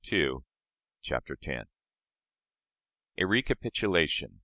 541.] CHAPTER X. A Recapitulation.